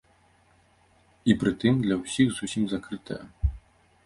І пры тым для іх зусім закрытая.